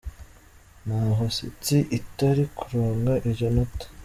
Naho City itari kuronka iryo nota.